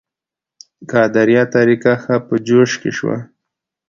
قادریه طریقه ښه په جوش کې شوه.